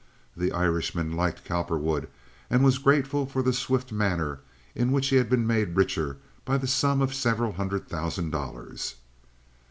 The Irishman liked Cowperwood, and was grateful for the swift manner in which he had been made richer by the sum of several hundred thousand dollars.